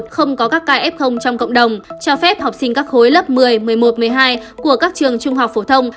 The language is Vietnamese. không có các ca f trong cộng đồng cho phép học sinh các khối lớp một mươi một mươi một một mươi hai của các trường trung học phổ thông